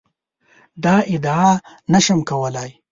دا ادعا نه شم کولای.